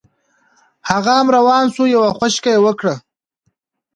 هغه هم روان شو یوه خوشکه یې وکړه.